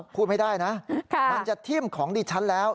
พูดไม่ได้นะมันจะทิ่มของดิฉันแล้ว